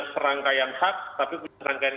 serangkaian hak tapi serangkaian